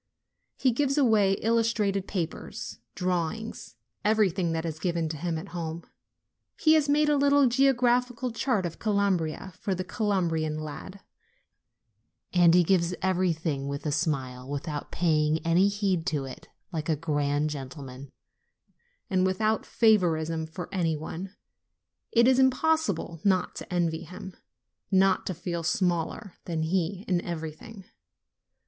He gives away illustrated papers, drawings, everything that is given him at home. He has made a little geographical chart of Calabria for the Calabrian lad ; and he gives everything with a smile, without pay ing any heed to it, like a grand gentleman, and without favoritism for any one. It is impossible not to envy him, not to feel smaller than he in everything.